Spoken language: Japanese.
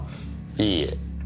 いいえ。